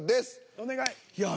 お願い。